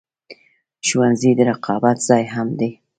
ښوونځی د رقابت ځای هم دی